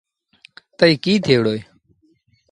تا ايٚ ڪيٚ ٿئي وهُڙو اهي۔